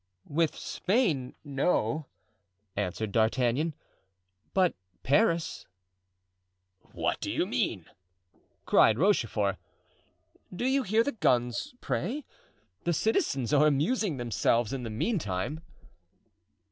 "With Spain, no," answered D'Artagnan; "but Paris." "What do you mean?" cried Rochefort. "Do you hear the guns, pray? The citizens are amusing themselves in the meantime."